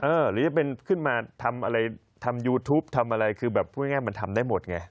หรือจะเป็นขึ้นมาทำอะไรทำยูทูปทำอะไรคือแบบพูดง่ายมันทำได้หมดไง